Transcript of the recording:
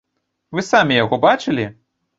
Вы самі яго бачылі?